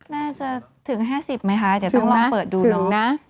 น่าจะถึง๕๐ไหมคะเดี๋ยวต้องลองเปิดดูลงนะ